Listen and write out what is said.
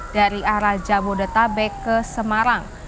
dari arah jabodetabek ke semarang